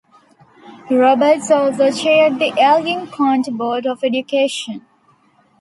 Roberts also chaired the Elgin County Board of Education.